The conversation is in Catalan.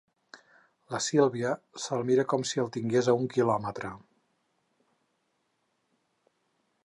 La Sílvia se'l mira com si el tingués a un quilòmetre.